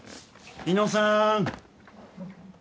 猪野さん。